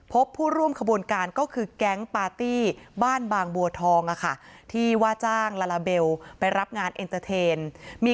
ครอบครัวไม่ได้อาฆาตแต่มองว่ามันช้าเกินไปแล้วที่จะมาแสดงความรู้สึกในตอนนี้